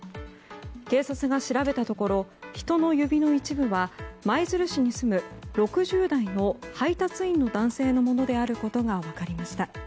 警察が調べたところ人の指の一部は舞鶴市に住む６０代の配達員の男性のものであることが分かりました。